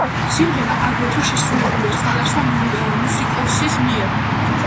სიმღერა აგრეთვე შესრულებულია სხვადასხვა მუსიკოსის მიერ.